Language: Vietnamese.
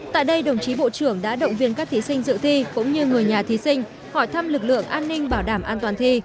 tại đây đồng chí bộ trưởng đã động viên các thí sinh dự thi cũng như người nhà thí sinh hỏi thăm lực lượng an ninh bảo đảm an toàn thi